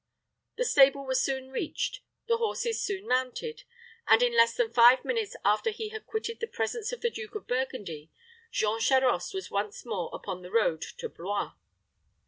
The stable was soon reached, the horses soon mounted, and, in less than five minutes after he had quitted the presence of the Duke of Burgundy, Jean Charost was once more upon the road to Blois.